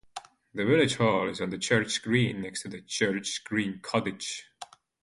The village hall is on the church green next to Church Green Cottage.